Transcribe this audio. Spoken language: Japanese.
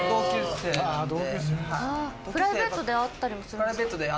プライベートで会ったりもするんですか？